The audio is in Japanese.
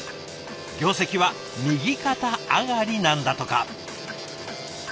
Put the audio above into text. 業績は右肩上がりなんだとか。